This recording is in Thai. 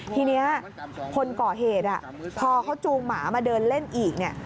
ทีนี้คนก่อเหตุพอเขาจูงหมามาเดินเล่นอีกเนี่ย